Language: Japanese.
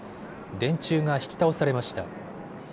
電柱が引き倒されました。